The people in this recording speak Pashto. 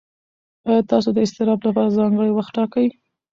ایا تاسو د اضطراب لپاره ځانګړی وخت ټاکئ؟